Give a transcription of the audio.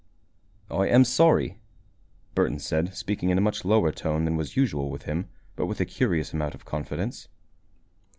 "I am sorry," Burton said, speaking in a much lower tone than was usual with him, but with a curious amount of confidence.